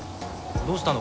どうしたの？